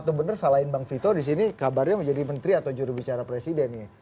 atau bener saling bang fito disini kabarnya menjadi menteri atau jurubicara presidennya